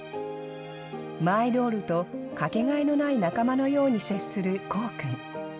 マイドールと掛けがえのない仲間のように接する功君。